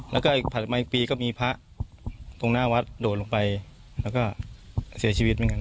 แล้วก็อีกถัดมาอีกปีก็มีพระตรงหน้าวัดโดดลงไปแล้วก็เสียชีวิตเหมือนกัน